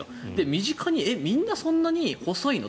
身近に、みんなそんなに細いの？